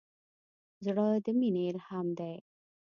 زړه د مینې الهام دی.